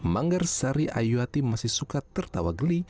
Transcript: manggar sari ayuati masih suka tertawa geli